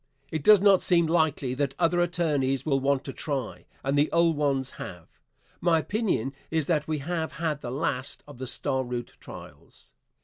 It does not seem likely that other attorneys will want to try, and the old ones have. My opinion is that we have had the last of the Star Route trials.